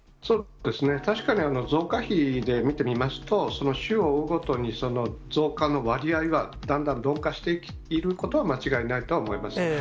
確かに増加比で見てみますと、週を追うごとに増加の割合はだんだん鈍化していることは間違いないとは思います。